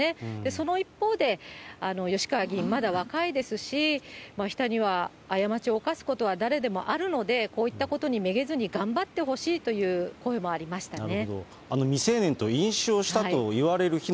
その一方で、吉川議員、まだ若いですし、人には過ちを犯すことは誰にでもあるので、こういったことにめげずに、頑張ってほしいという声もありましたね。